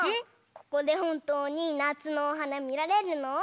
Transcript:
ここでほんとうになつのおはなみられるの？